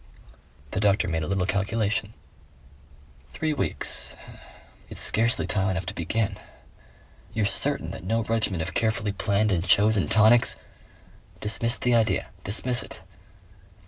The doctor made a little calculation. "Three weeks.... It's scarcely time enough to begin." "You're certain that no regimen of carefully planned and chosen tonics " "Dismiss the idea. Dismiss it."